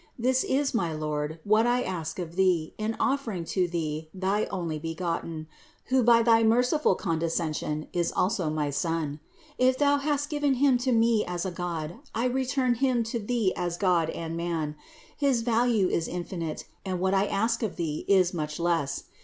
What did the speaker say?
This is, my Lord, what I ask of thee in offering to Thee thy Onlybegotten, who, by thy merciful condescension is also my Son. If Thou hast given Him to me as a God, I re turn Him to Thee as God and man ; his value is infinite, and what I ask of Thee is much less.